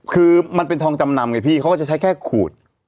คือมันเป็นทองจำนำไงพี่เขาก็จะใช้แค่ขูด